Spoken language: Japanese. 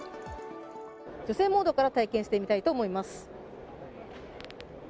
女性モードから体験してみたいと思います。